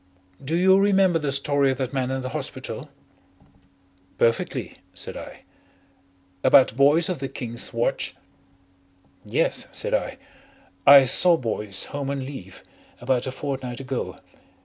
Do you remember the story of that man in the hospital?" "Perfectly," said I. "About Boyce of the King's Watch?" "Yes," said I. "I saw Boyce, home on leave, about a fortnight ago.